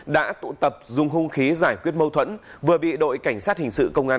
đã tụ tập dùng hung khí giải quyết mâu thuẫn vừa bị đội cảnh sát hình sự công an